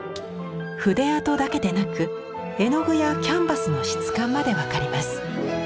筆跡だけでなく絵の具やキャンバスの質感まで分かります。